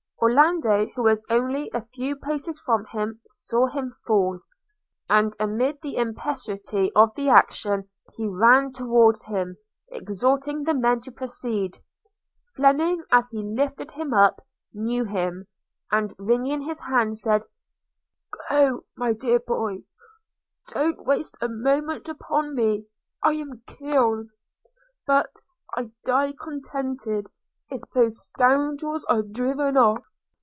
– Orlando, who was only a few paces from him, saw him fall; and, amid the impetuosity of the action, he ran towards him, exhorting the men to proceed. – Fleming, as he lifted him up, knew him, and, wringing his hand, said – 'Go, my dear boy – don't waste a moment upon me – I am killed! but I die contented if those scoundrels are driven off.